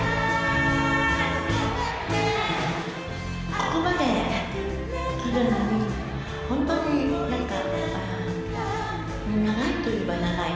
ここまで来るのに、本当になんか、長いといえば長い。